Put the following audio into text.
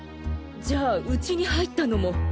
じゃあウチに入ったのも。